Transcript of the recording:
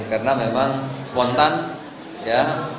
karena memang spontan ya